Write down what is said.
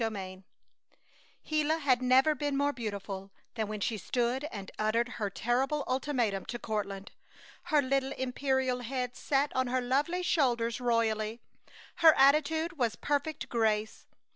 CHAPTER XXVI Gila had never been more beautiful than when she stood and uttered her terrible ultimatum to Courtland. Her little imperial head sat on her lovely shoulders royally, her attitude was perfect grace.